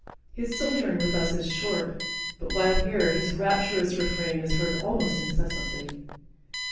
His sojourn with us is short, but while here his rapturous refrain is heard almost incessantly.